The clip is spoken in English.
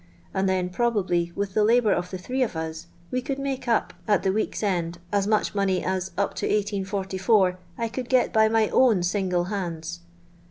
and then probably, with the labour of the three of us, we could make up at the week's end as much money, as, up to 1844, I could }(et by my own single hands.